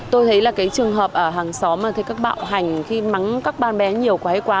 tôi thấy là cái trường hợp ở hàng xóm mà thấy các bạo hành khi mắng các ba bé nhiều quá hay quá